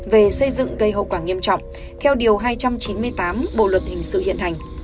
về xây dựng gây hậu quả nghiêm trọng theo điều hai trăm chín mươi tám bộ luật hình sự hiện hành